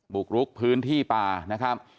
บุกรุกพื้นที่ป่านะครับ